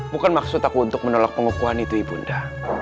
bukan maksud aku untuk menolak pengukuhan itu ibunda